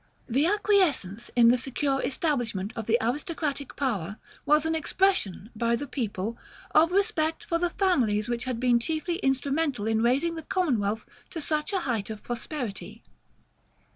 The acquiescence in the secure establishment of the aristocratic power was an expression, by the people, of respect for the families which had been chiefly instrumental in raising the commonwealth to such a height of prosperity.